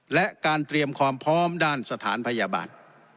และการเตรียมความพร้อมด้านสถานพยาบาล